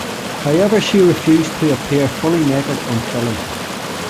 However she refused to appear fully naked on film.